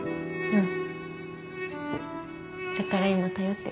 うん。